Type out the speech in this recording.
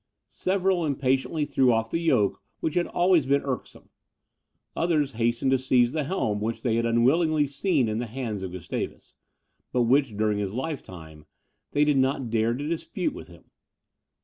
Several impatiently threw off the yoke which had always been irksome; others hastened to seize the helm which they had unwillingly seen in the hands of Gustavus, but which, during his lifetime, they did not dare to dispute with him.